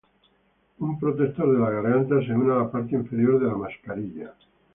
Un protector de la garganta se une a la parte inferior de la mascarilla.